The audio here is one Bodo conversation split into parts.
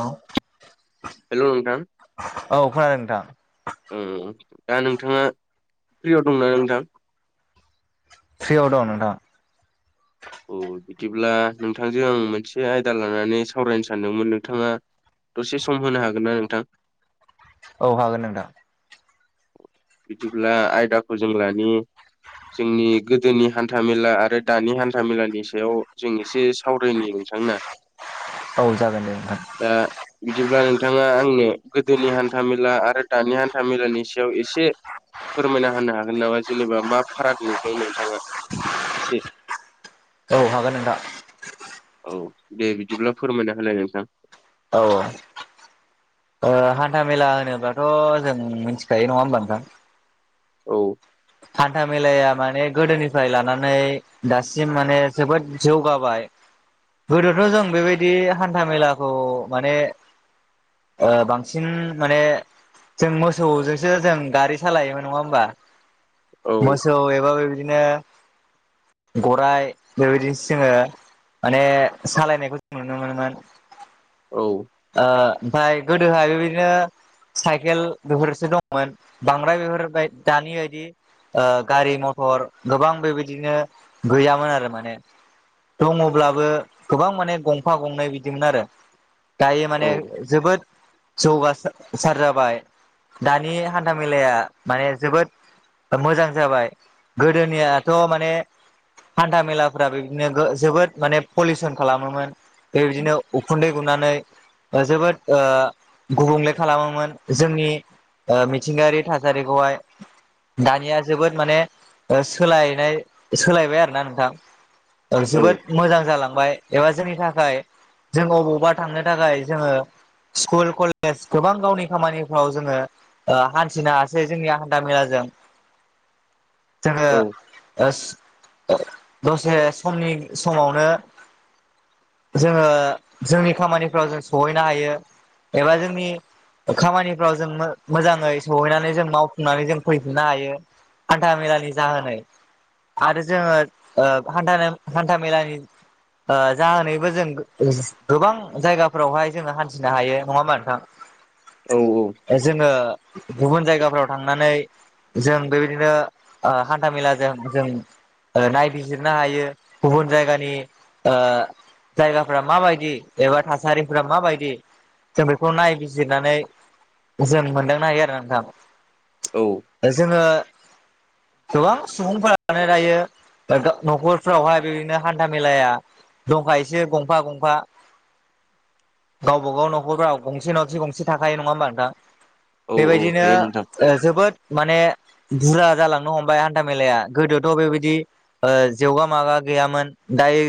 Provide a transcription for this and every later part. औ हेलौ, नोंथां खोनादों नोंथां - उम दा नोंथाङा फ्रियाव दंना नोंथां? फ्रियाव दं नोंथां। औ बिदिब्ला नोंथांजों आं मोनसे आयदा लानानै सावरायनो सानदोंमोन नोंथाङा दसे सम होनो हागोन ना नोंथां? औ हागोन नोंथां। बिदिब्ला आयदाखौ जों लानि। जोंनि गोदोनि हान्थाामेला आरो दानि हान्था मेलानि सायाव जों एसे सावरायनि। नोथां ना? औ जागोन दे नोंथां दा बिदिब्ला नों बिथाङा आंनो गोदोनि हान्था मेला आरो दानि हान्था मेलानि सायाव एसे फोरमायना होनो हागोन नामा? जेनेबा मा फाराग नुदों नोंथाङा? एसे औ हागोन नोंथां। औ दे बिदिब्ला फोरमायना होलाय नोंथां। औ औ ओ हान्था मेला होनोबाथ' जों मिथिखायो नङा होमबा नोंथां? औ हान्था मेलाया माने गोदोनिफ्राय लानानै दासिम माने जोबोद जौगाबाय। गोदोथ' जों बेबायदि हान्था मेलाखौ माने ओ, बांसिन माने जों मोसौजोंसो जों गारि सालायोमोन नङा होमबा? औ मोसौ एबा बे बिदिनो गराय बेबायदिसो जोङो माने सालायनायखौ जों नुनो मोनोमोन। औ ओ, ओमफाय गोदोहाय बेबायदिनो साइकेल बिफोरसो दंमोन बांद्राय बिफोर बादि दानि बायदि ओ गारि मथर गोबां बेबायदिनो गैयामोन आरो माने दङब्लाबो गोबां माने गंफा गंनै बिदिमोन आरो। दायो औ माने जोबोद जौगासार जाबाय दानि हान्था मेलाया माने जोबोद मोजां जाबाय गोदोनियाथ' माने हान्था मेलाफोरा बिदिनो जोबोद माने पलिउसन खालामोमोन। बेबायदिनो उखुन्दै गुनानै जोबोद ओ गुबुंले ओ खालामोमोन जोंनि ओ मिथिंगायारि थासारिखौहाय। दानिया जोबोद माने सोलायनाय सोलायबाय आरोना नोंथां औ जोबोद मोजां जालांबाय एबा जोंनि थाखाय जों अबावबा थांनो थाखाय जोङो स्कुल कलेज गोबां गावनि खामानिफ्राव जोङो हान्थिनो हासै जोंनिया हान्था मेलाजों [inaudible] [inaudible] जोङो ओस दसे समनि समावनो जोङो जोंनि खामानिफ्राव जों सहैनो हायो एबा जोंनि खामानिफ्राव जों मोजाङै सहैनानै जों मावफुंनानै जों फैफिननो हायो हान्था मेलानि जाहोनै आरो जोङो ओ हान्था-हान्था मेलानि ओ जाहोनैबो जों गोबां जायगा फोरावहाय जोङो हान्थिनो हायो नङा होमबा नोंथां औ जोङो गुबुन जायगाफ्राव थांनानै जों बेबायदिनो ओ हान्था मेलाजों जों नायबिजिरनो हायो गुबुन जायगानि ओ जायगाफ्रा माबायदि एबा थास साहारिफ्रा मा बायदि जों बेखौ नायबिजिरनानै जों मोनदांनो हायो आरो नोंथां औ जोङो [inaudible] गोबां सुबुंफोरानो दायो न'खरफ्रावहाय बिदिनो हान्था मेलाया दंखायोसो एसे गंफा गंफा गावबागाव न'खरफ्राव गंसे नङाखि गंसे थाखायो नङा होमबा नोंथां औ औ बेबायदिनो थायो नोंथां जोबोद माने बुरजा जालांनो हमबाय हान्था मेलाया गोदोथ' बेबायदि ओ जोवगा मागा गैयामोन दायो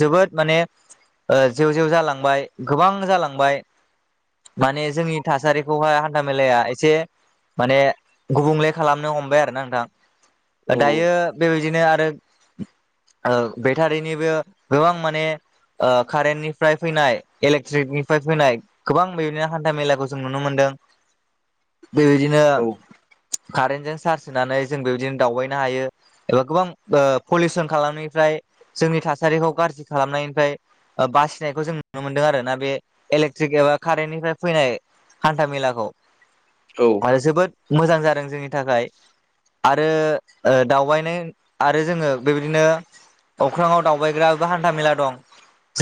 जोबोद माने ओ जेव जेव जालां बाय गोबां जालांबाय माने जोंनि थासारिखौहाय हान्था मेलाया एसे माने गुबुंले खालामनो हमबाय आरो ना औ नोंथां दायो बेबायदिनो आरो बेटारिनिबो गोबां माने ओ कारेन्टनिफ्राय फैनाय इलेक्ट्रिकनिफ्राय फैनाय गोबां बेबायदिनो हान्था मेलाखौ जों नुनो मोनदों [inaudible] बेबायदिनो औ कारेन्टजों चार्ज होनानै जों बेबायदिनो दावबायनो हायो एबा गोबां पलिउसन खालामनिफ्राय जोंनि थासारिखौ गाज्रि खालामनायनिफ्राय बा फिसिनायखौ जों नुनो मोनदों आरो ना बे इलेक्ट्रिक एबा कारेन्टनिफ्राय फैनाय हान्था मेलाखौ औ आरो जोबोद मोजां जादों जोंनि थाखाय आरो ओ दावबायनाय आरो जोङो बेबायदिनो अख्राङाव दावबायग्राबो हान्था मेला दं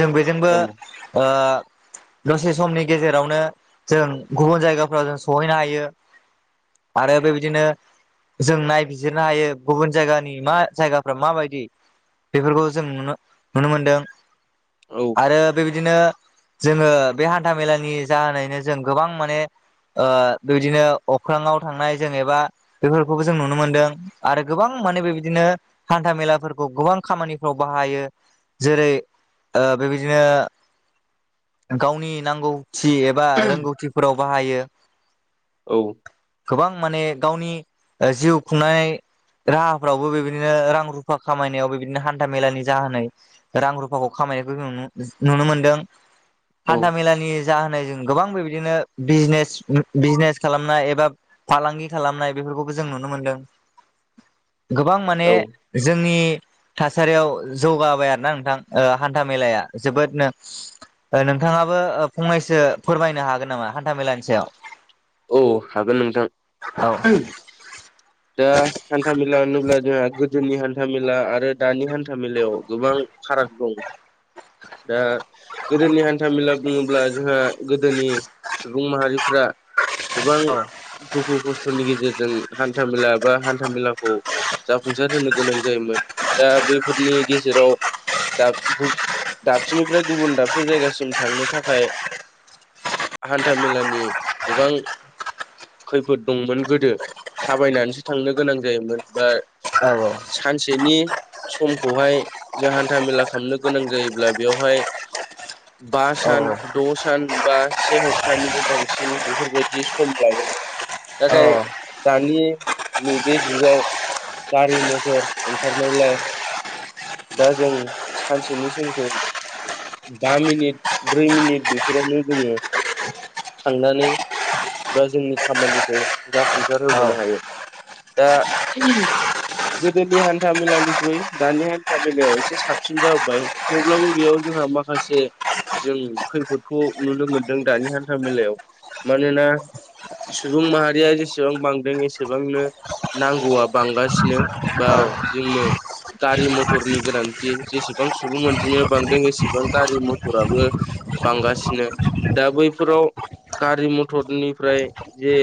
जों औ बेजोंबो ओ दसे समनि गेजेरावनो जों गुबुन जायगाफ्राव जों सहैनो हायो आरो बेबिदिनो जों नायबिजिरनो हायो गुबुन जायगानि मा जायगाफ्रा माबायदि। बेफोरखौ जों नुनो नुनो मोनदों। औ आरो बेबिदिनो जोङो बे हान्था मेलानि जाहोनैनो जों गोबां माने ओ बेबिदिनो अख्राङाव थांनाय जेनेबा बेफोरखौबो जों नुनो मोनदों आरो गोबां माने बेबायदिनो हान्था मेलाफोरखौ गोबां खामानिफ्राव बाहायो जेरै ओ बेबायदिनो गावनि नांगौ थि एबा रोंगौथिफोराव बाहायो। औ गोबां माने गावनि जिउ खुंनाय राहाफ्रावबो बेबायदिनो रां रुफा खामायनायाव बेबायदिनो हान्था मेलानि जाहोनै रां रुफाखौ खामाय नुनो मोनदों हान्था मेलानि जाहोनो जों गोबां बेबायदिनो बिजनेस बिजनेस खालामनाय एबा फालांगि खालामनाय बे खौबो जों नुनो मोन्दों। [inaudible] गोबां माने औ जोंनि थासारियाव जौगाबाय आरोना नोंथां ओ हान था मेलाया जोबोदनो। ओ नोंथाङाबो ओ फंनैसो फोरमायनो हागोन नामा हान्थाामेलानि सायाव औ हागोन नोंथां औ दा हान्था मेला होनोब्ला जोंहा गोदोनि हान्था मेला आरो दानि हान्था मेलायाव गोबां फाराग दं। दा गोदोनि हान्था मेला बुङोब्ला जोंहा गोदोनि सुबुं माहारिफ्रा गोबां दुखु खस्थ'नि गे जेरजों हान्था मेला बा हान्था मेलाखौ जाफुंसार होनो गोनां जायोमोन दा बैफोर नि गेजेराव दा गु दाबसेनिफ्राय गुबुन दाबसे जायगासिम थांनो थाखाय हान्था मेलानि गोबां खैफोद दंमोन गोदो थाबायनानैसो थांनो गोनां जायोमोन बा औ औ सेनि समखौहाय जों हान्था मेला खालामनो गोनां जायोब्ला बेवहाय बा औ सान औ द' सान बा से हप्तानिबो बांसिन बेफोरबायदि सम लायोमोन नाथाय औ दानि नैबे जुगाव गारि मथर ओंखारनायलाय दा जों सानसेनि समखौ बा मिनिट, ब्रै मिनिट बेफोरावनो जोङो थांनानै बा जोंनि खामानिखौ जाफुंसार औ होबोनो हायो। दा [unintelligible] गोदोनि हान्था मेलानिख्रुइ दानि हान्था मेलाया एसे साबसिन जाबोबाय थेवब्लाबो बियाव जों हा माखासे जों खैफोदखौ नुनो मोनदों दानि हान्था मेलायाव। मानोना सुबुं माहारिया जेसेबां बांदों एसेबांनो नांगौआ बांगासिनो बा जोंनो गारि मथरनि गोनांथि जेसेबां सुबुं अनजिमाया बांदों एसेबां गारि मथराबो बांगासिनो दा बैफोराव गारि मथरनिफ्राय जे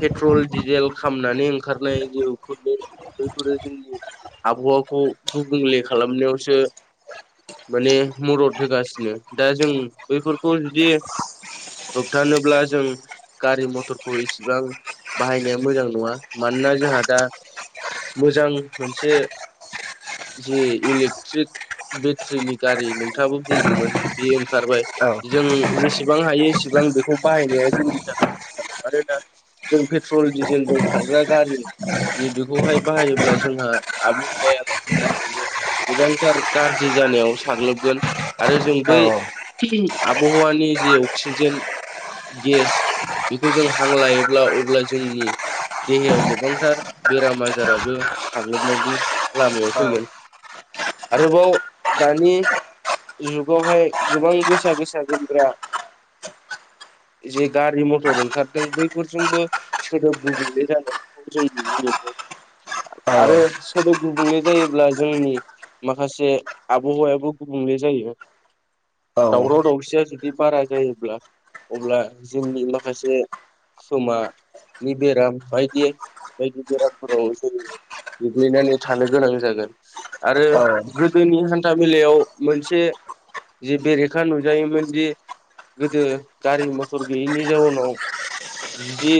पेट्रल, डिजेल खामनानै ओंखारनाय जे उखुन्दै बैफोरो जोंन आबहावाखौ गुबुंले खालामनायावसो माने मदद होगासिनो दा जों बैफोरखौ जुदि होबथोनोब्ला जों गारि मथरखौ एस गोबां बाहायनाया मोजां नङा मानोना जोंहा दा मोजां मोनसे जि इलेक्ट्रिक बेट्रिनि गारि नोंथाङाबो बुंदोंमोन बेयो ओंखारबाय औ जों जेसेबां हायो एसे बां बेखौ बाहायनाया जोंनि थाखाय मोजां आरो दा जों पेट्रल डिजेलजों खारग्रा गारि दि बेखौहाय बाहायोब्ला जोंहा आबहावाया लासै लासैनो गोबांथार गाज्रि जानायाव साग्लोबगोन आरो जों बै औ आबहावानि जे अक्सिजेन गेस बेखौ जों हां लायोब्ला अब्ला जोंनि देहायाव गोबांथार बेराम आजाराबो साग्लोबनाय दि लामायाव फैगोन आरोबाव दानि जुगावहाय गोबां गोसा गोसा गोमग्रा जे गारि मथर ओंखार दों बैफोरजोंबो सोदोब गुबुंले जानायखौ जों नुनो मोनो। आरो सोदोब गुबुंले जायोब्ला जोंनि माखासे आबहावायाबो गुबुंले जायो। औ दावराव दावसिया जुदि बारा जायोब्ला अब्ला जोंनि माखासे समानि बेराम बायदि बायदि बेरामफोराव जेरै गोग्लैनानै थानो गोनां जागोन आरो गोदोनि हान्था मेलायाव मोनसे जे बेरेखा नुजायोमोनदि गोदो गारि मथर गैयैनि जाउनाव जुदि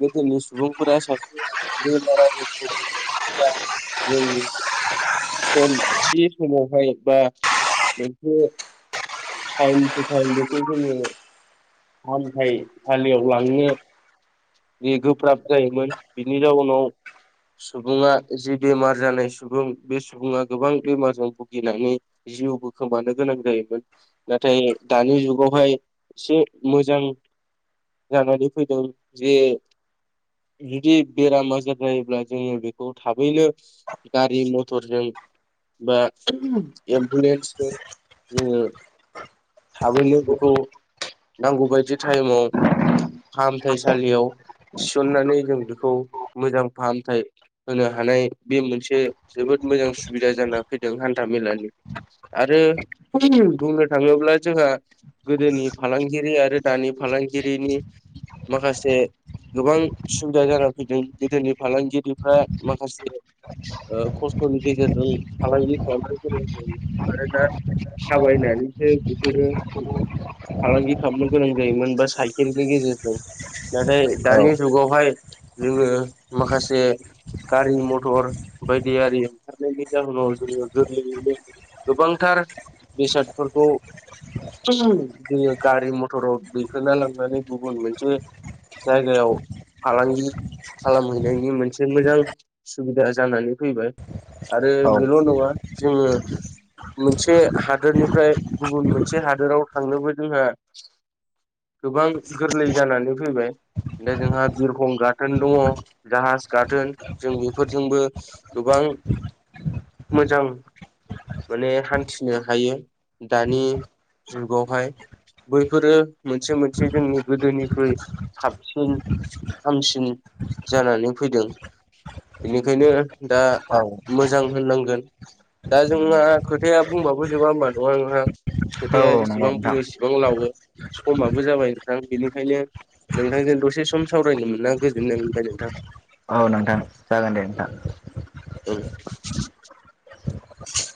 गोदोनि सुबुंफोरा सासे बेमार आजारफ्राव जा जोंनि सम थि समावहाय बा मोनसे थाएम थु थाएम बेखौ जोङो फाहामथाइ सालियाव लांनो जि गोब्राब जायोमोन बिनि जाउनाव सुबुङा जि बेमार जानाय सुबुं बे सुबुङा गोबां बेमारजों भुगिनानै जिउबो खोमानो गोनां जायोमोन नाथाय दानि जुगावहाय एसे मोजां जानानै फैदों जे जुदि बेराम आजार जायोब्ला जोङो बेखौ थाबैनो गारि मथरजों बा एम्बुलेन्सफोर जोङो थाबैनो बेखौ नांगौबायदि टाइमाव फाहामथायसालियाव थिसननानै जों बेखौ मोजां फाहामथाय होनो हानाय बे मोनसे जोबोद मोजां सुबिदा जाना फैदों हान्था मेलानि आरो बुंनो थाङोब्ला जोंहा गोदोनि फालांगिरि आरो दानि फालांगिरिनि माखासे गोबां सुबिदा जाना फैदों गोदोनि फालांगिरिफ्रा माखासे ओ खस्थ'नि गेजेरजों फालांगि खालामनो गेजेरजों मानोना सावाबायनानै बिसोरो फालांगि खालामनो गोनां जायोमोन बा साइकेलनि गेजेरजों नाथाय दानि जुगावहाय जोङो माखासे गारि मथर बायदिआरि ओंखारनायनि जाहोनाव जोङो गोरलैयैनो गोबांथार बेसादफोरखौ जोङो गारि मथराव दैखांना लांनानै गुबुन मोनसे जायगायाव फालांगि खालामहैनायनि मोनसे मोजां सुबिदा जानानै फैबाय। आरो औ बेल' नङा जोङो मोनसे हादोरनिफ्राय गुबुन मोनसे हादोराव थांनोबो जोंहा गोबां गोरलै जानानै फैबाय। दा जोंहा बिरखं गाथोन दङ जाहाज गाथोन जों बेफोरजोंबो गोबां मोजां माने हान्थिनो हायो दानि जुगावहाय। बैफोरो मोनसे मोनसे जोंनि गोदोनिख्रुइ साबसिन हामसिन जानानै फैदों बेनिखायनो दा औ मोजां होननांगो गोन दा जोंहा खोथाया बुंबाबो जोबा होमबा नङा नोंथां? औ खोथाया नंगौ जेसेबां बुंङो नोंथां एसेबां लावो। समाबो जाबाय नोंथां बेनिखायनो नोंथांजों दसे सम सावरायनो मोना गोजोननाय मोनबाय नोंथां। औ नोंथां जागोन दे नोंथां ओं।